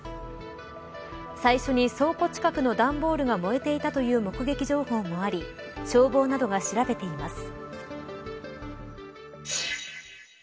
最初に倉庫近くの段ボールが燃えていたという目撃情報もあり消防などが調べています。